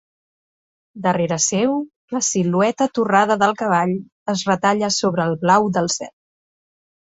Darrere seu la silueta torrada del cavall es retalla sobre el blau del cel.